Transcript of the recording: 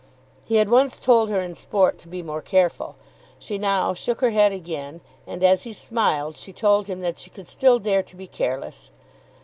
He had once told her in sport to be more careful. She now shook her head again, and, as he smiled, she told him that she could still dare to be careless.